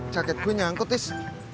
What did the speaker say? jaket gue nyangkut tis